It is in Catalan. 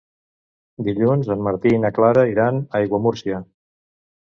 Dilluns en Martí i na Clara iran a Aiguamúrcia.